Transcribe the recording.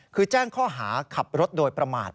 คือแจ้งข้อหาขับรถโดยประมาท